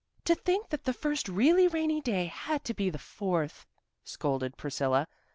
"To think that the first really rainy day had to be the Fourth," scolded Priscilla.